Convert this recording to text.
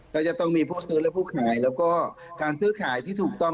ก็จะต้องมีผู้ซื้อและผู้ขายแล้วก็การซื้อขายที่ถูกต้อง